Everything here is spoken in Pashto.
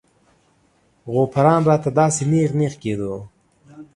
غوپران راته داسې نېغ نېغ کېدو.